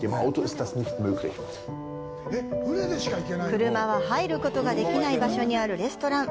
車は入ることができない場所にあるレストラン。